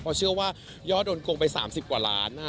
เพราะเชื่อว่ายอดโดนโกงไป๓๐กว่าล้านนะฮะ